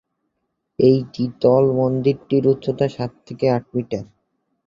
এই দ্বিতল মন্দিরটির উচ্চতা সাত থেকে আট মিটার।